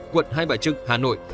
quận hai bài trưng hà nội